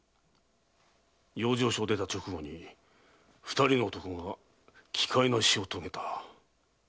養生所を出た直後に二人の男が奇怪な死を遂げた。